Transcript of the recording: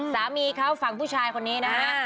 สามีเขาฝั่งผู้ชายคนนี้นะฮะ